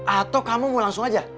atau kamu mau langsung aja